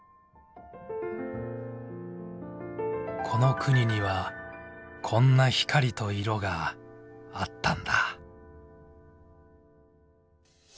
この国にはこんな光と色があったんだ。